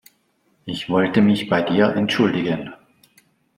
Ich wollte mich bei dir entschuldigen.